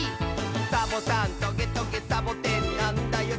「サボさんトゲトゲサボテンなんだよ」